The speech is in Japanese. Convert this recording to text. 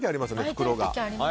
袋が。